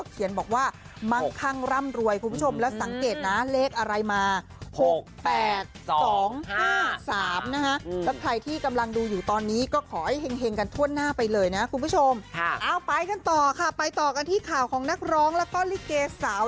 เอ้าไปกันต่อค่ะไปต่อกันที่ข่าวของนักร้องแล้วก็ลิเกสสาว